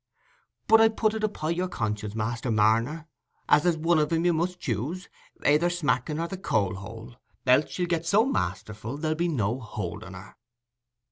But I put it upo' your conscience, Master Marner, as there's one of 'em you must choose—ayther smacking or the coal hole—else she'll get so masterful, there'll be no holding her."